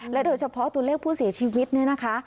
โดยเฉพาะตัวเลขผู้เสียชีวิตเนี่ยนะคะ